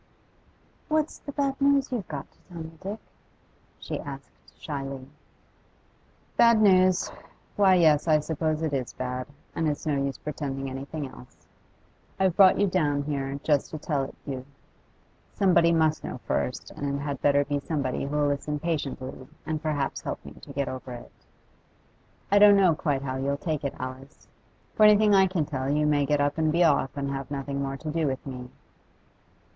'What's the bad news you've got to tell me, Dick?' she asked shyly. 'Bad news? Why, yes, I suppose it is bad, and it's no use pretending anything else. I've brought you down here just to tell it you. Somebody must know first, and it had better be somebody who'll listen patiently, and perhaps help me to get over it. I don't know quite how you'll take it, Alice. For anything I can tell you may get up and be off, and have nothing more to do with me.